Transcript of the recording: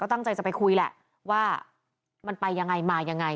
ตั้งใจจะไปคุยแหละว่ามันไปยังไงมายังไง